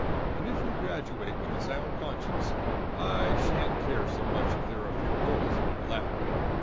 And if you graduate with a sound conscience, I shan't care so much if there are a few holes in your Latin.